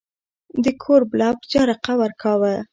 د کور بلب جرقه ورکاوه.